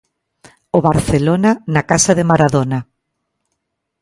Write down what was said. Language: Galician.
O Barcelona na casa de Maradona.